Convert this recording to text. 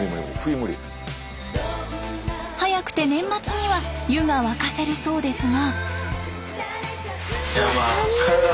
早くて年末には湯が沸かせるそうですが。